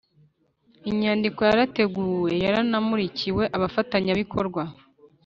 Inyandiko yarateguwe yanamurikiwe abafatanyabikorwa